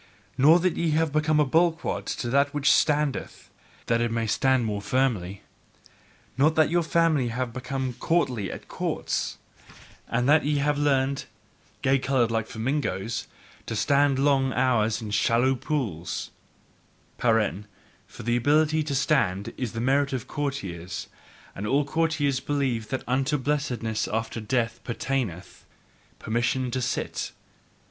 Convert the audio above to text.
nor that ye have become a bulwark to that which standeth, that it may stand more firmly. Not that your family have become courtly at courts, and that ye have learned gay coloured, like the flamingo to stand long hours in shallow pools: (For ABILITY to stand is a merit in courtiers; and all courtiers believe that unto blessedness after death pertaineth PERMISSION to sit!)